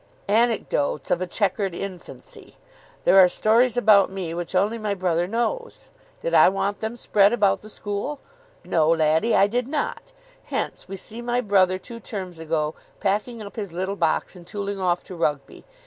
" Anecdotes of a chequered infancy. There are stories about me which only my brother knows. Did I want them spread about the school? No, laddie, I did not. Hence, we see my brother two terms ago, packing up his little box, and tooling off to Rugby.